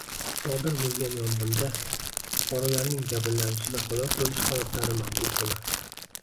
Sodir bo‘lgan yong‘inda fuqarolarning jabrlanishi va halok bo‘lish holatlari mavjud emas